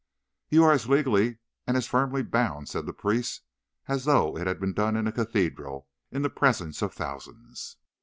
"You are as legally and as firmly bound," said the priest, "as though it had been done in a cathedral, in the presence of thousands.